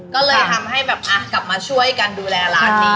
ก็เลยทำให้แบบกลับมาช่วยกันดูแลร้านนี้